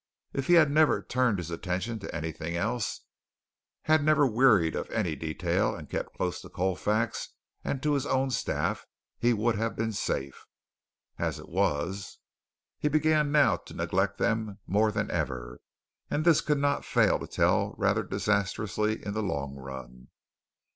If he had never turned his attention to anything else, had never wearied of any detail, and kept close to Colfax and to his own staff, he would have been safe. As it was, he began now to neglect them more than ever, and this could not fail to tell rather disastrously in the long run.